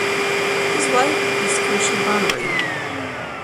His wife is Krishna Bhambri.